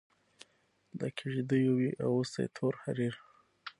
لکه کیږدېو وي اغوستي تور حریر